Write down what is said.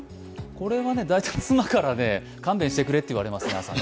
これは大体、妻から勘弁してくれって言われます。